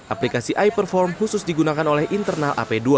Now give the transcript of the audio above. aplikasi iperform khusus digunakan oleh internal ap dua